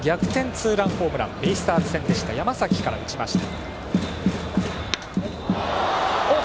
ツーランホームランベイスターズ戦山崎から打ちました。